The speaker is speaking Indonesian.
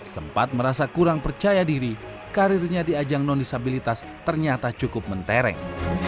sempat merasa kurang percaya diri karirnya di ajang non disabilitas ternyata cukup mentereng